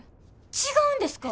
違うんですか？